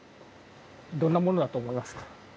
どんなものだと思いますか？